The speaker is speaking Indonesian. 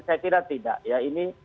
saya kira tidak ya ini